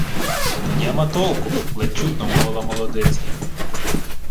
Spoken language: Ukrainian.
— То нєма толку, — ледь чутно мовила молодиця.